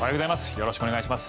よろしくお願いします。